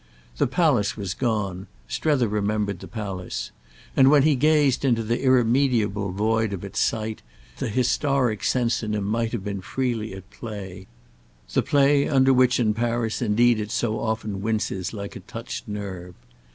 The palace was gone, Strether remembered the palace; and when he gazed into the irremediable void of its site the historic sense in him might have been freely at play—the play under which in Paris indeed it so often winces like a touched nerve.